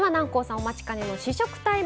お待ちかねの試食タイム。